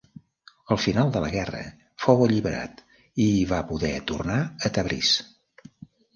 Al final de la guerra fou alliberat i va poder tornar a Tabriz.